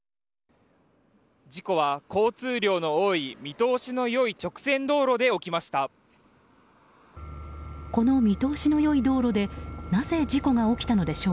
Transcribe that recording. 事故は交通量の多い見通しの良い直線道路で起きました。